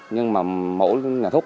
nhưng mà mẫu nhà thuốc